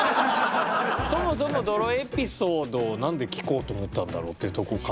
そもそも泥エピソードをなんで聞こうと思ったんだろうっていうとこからね。